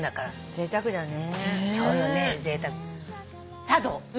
ぜいたくね。